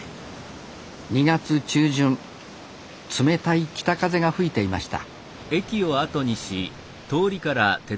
２月中旬冷たい北風が吹いていました